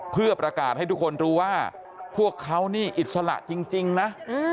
เพื่อประกาศให้ทุกคนรู้ว่าพวกเขานี่อิสระจริงนะ